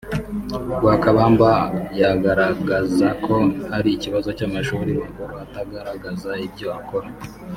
Lwakabamba yagaragaza ko hari Ikibazo cy’ amashuri makuru atagaragaza ibyo akora